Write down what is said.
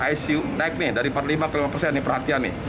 icu naik nih dari empat puluh lima ke lima persen nih perhatian nih